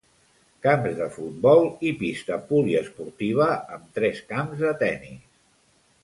Camps de futbol i pista poliesportiva amb tres camps de tenis.